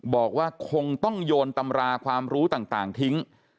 บอกว่าคงต้องโยนตำราความรู้ต่างทิ้ง